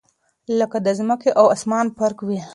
لكه دځمكي او اسمان فرق وي